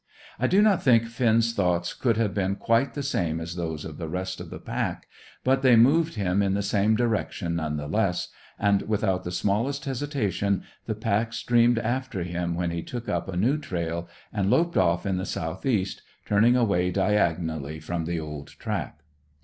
I do not think Finn's thoughts could have been quite the same as those of the rest of the pack; but they moved him in the same direction none the less, and, without the smallest hesitation, the pack streamed after him when he took up a new trail, and loped off to the south east, turning away diagonally from the old track.